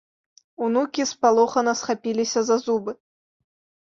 Унукі спалохана схапіліся за зубы.